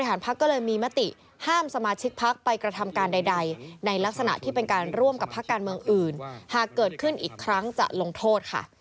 หากเกิดขึ้นอีกครั้งจะลงโทษค่ะ